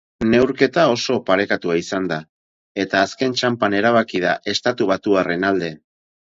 Neurketa oso parekatua izan da, eta azken txanpan erabaki da estatubatuarren alde.